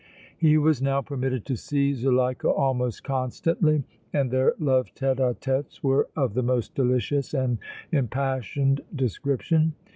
He was now permitted to see Zuleika almost constantly and their love tête à têtes were of the most delicious and impassioned description.